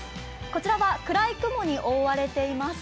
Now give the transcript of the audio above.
こちらは暗い雲に覆われています。